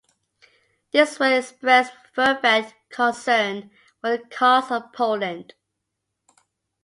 This work expressed fervent concern for the cause of Poland.